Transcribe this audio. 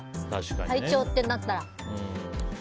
体調ってなったら。